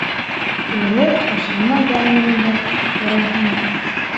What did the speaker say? Дөрөҫ эшләмәгәнмендер, күрәһең.